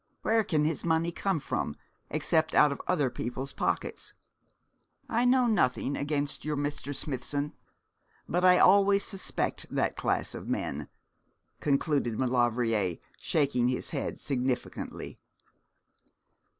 Where can his money come from, except out of other people's pockets? I know nothing against your Mr. Smithson, but I always suspect that class of men,' concluded Maulevrier shaking his head significantly.